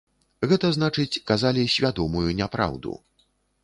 Гэта значыць, казалі свядомую няпраўду.